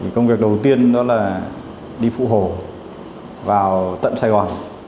công việc đầu tiên đó là đi phụ hồ vào tận sài gòn